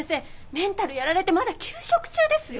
メンタルやられてまだ休職中ですよ？